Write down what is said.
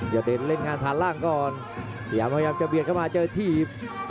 อย่าเดินเล่นงานฐานร่างก่อนสยามพยายามจะเบียนเข้ามาเจอทีบ